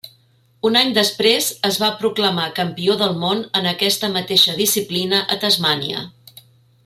Un any després es va proclamar campió del món en aquesta mateixa disciplina a Tasmània.